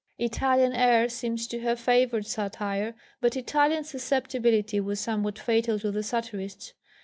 Italian air seems to have favoured satire, but Italian susceptibility was somewhat fatal to the satirists.